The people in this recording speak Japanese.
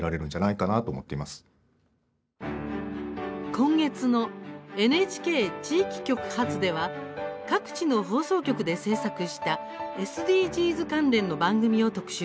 今月の「ＮＨＫ地域局発」では各地の放送局で制作したＳＤＧｓ関連の番組を特集します。